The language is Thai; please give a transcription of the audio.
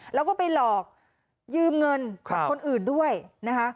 แล้วก็ไปหลอกยืมเงินของคนอื่นด้วยนะคะ